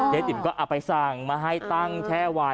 จิ๋มก็เอาไปสั่งมาให้ตั้งแช่วาย